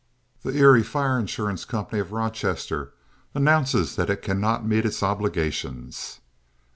"The Erie Fire Insurance Company of Rochester announces that it cannot meet its obligations."